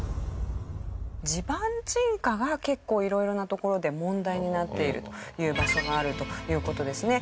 地盤沈下が結構色々な所で問題になっているという場所があるという事ですね。